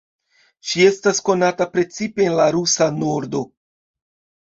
Ŝi estas konata precipe en la Rusa Nordo.